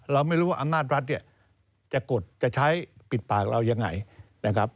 เราไม่รู้ว่าอำนาจรัฐเนี่ยจะกดจะใช้ปิดปากเรายังไงนะครับ